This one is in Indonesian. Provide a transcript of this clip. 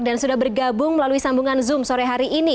dan sudah bergabung melalui sambungan zoom sore hari ini